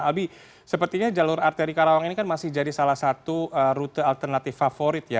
albi sepertinya jalur arteri karawang ini kan masih jadi salah satu rute alternatif favorit ya